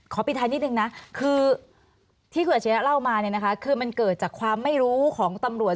ขอพิทัลนิดนึงนะคือที่เกิดเฉียงแล้วมามันเกิดจากความไม่รู้ของตำรวจ